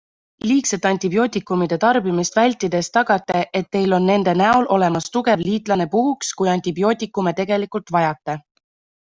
Liigset antibiootikumide tarbimist vältides tagate, et teil on nende näol olemas tugev liitlane puhuks, kui antibiootikume tegelikult vajate.